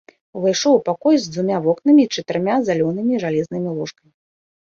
Увайшоў у пакой з двума вокнамі і чатырма залёнымі жалезнымі ложкамі.